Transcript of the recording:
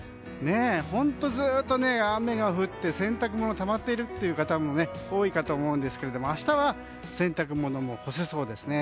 本当にずっと雨が降って洗濯物がたまっているという方も多いかと思うんですけれども明日は、洗濯物も干せそうですね。